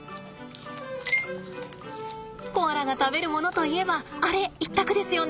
コアラが食べるものといえばあれ一択ですよね。